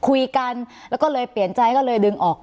คุยกันแล้วก็เลยเปลี่ยนใจก็เลยดึงออก